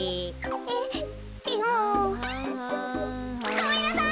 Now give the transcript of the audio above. ごめんなさい！